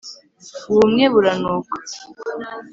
ubumwe buranuka